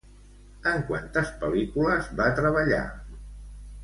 En quantes pel·lícules va treballar?